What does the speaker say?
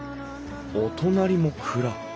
お隣も蔵。